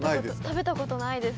食べたことないです